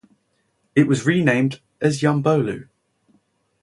It was renamed as "Yanbolu".